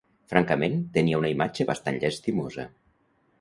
Francament, tenia una imatge bastant llastimosa.